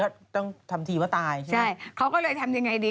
ต้องทำทีว่าตายใช่ไหมใช่เขาก็เลยทำยังไงดี